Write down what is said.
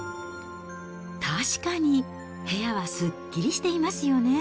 確かに、部屋はすっきりしていますよね。